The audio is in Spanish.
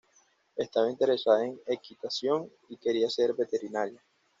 Estaba interesada en equitación, y quería ser veterinaria.